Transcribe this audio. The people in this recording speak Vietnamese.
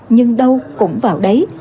nhưng đâu cũng vào đấy